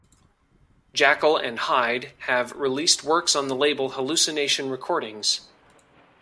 Jackal and Hyde have released works on the label Hallucination Recordings.